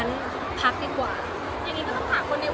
ตอนนี้ก็ต้องถามคนในวงการแล้วนะคะ